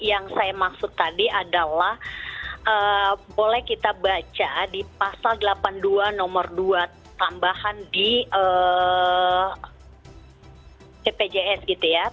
yang saya maksud tadi adalah boleh kita baca di pasal delapan puluh dua nomor dua tambahan di bpjs gitu ya